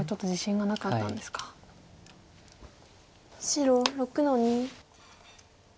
白６の二。